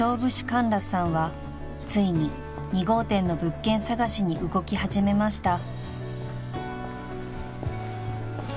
カンラスさんはついに２号店の物件探しに動き始めました］